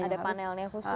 ada panelnya khusus